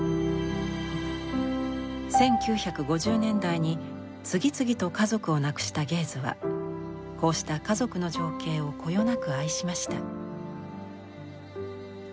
１９５０年代に次々と家族を亡くしたゲーズはこうした家族の情景をこよなく愛しました。